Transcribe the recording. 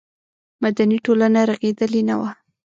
مدني ټولنه رغېدلې نه وه.